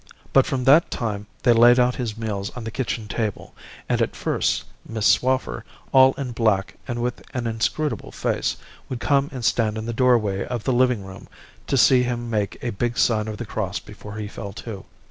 But from that time they laid out his meals on the kitchen table; and at first, Miss Swaffer, all in black and with an inscrutable face, would come and stand in the doorway of the living room to see him make a big sign of the cross before he fell to.